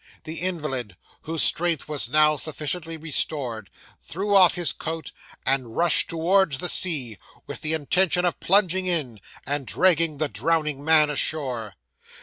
The invalid, whose strength was now sufficiently restored, threw off his coat, and rushed towards the sea, with the intention of plunging in, and dragging the drowning man ashore.